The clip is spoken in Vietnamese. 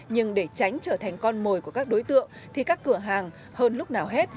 nhưng để tránh trở thành con mồi của các đối tượng thì các cửa hàng hơn lúc nào hết